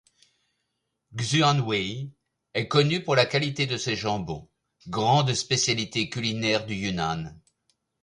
Xuanwei est connue pour la qualité de ses jambons, grande spécialité culinaire du Yunnan...